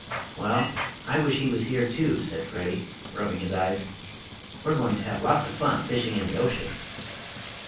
"Well, I wish he was here too," said Freddie, rubbing his eyes. "We're goin' to have lots of fun fishing in the ocean."